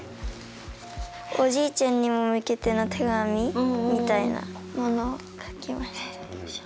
おじいちゃんに向けての手紙みたいなものを書きました。